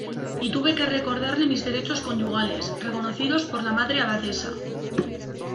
y tuve que recordarle mis derechos conyugales, reconocidos por la Madre Abadesa.